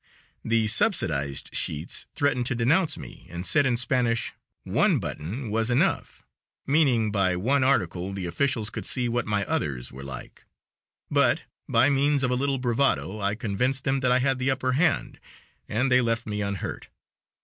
The subsidized sheets threatened to denounce me and said in Spanish, "One button was enough;" meaning by one article the officials could see what my others were like, but by means of a little bravado I convinced them that I had the upper hand, and they left me unhurt.